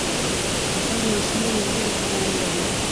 د ښار ماشومان ازاده فضا نه لري.